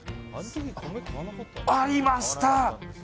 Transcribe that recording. ありました！